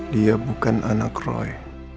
dia bukan anak roy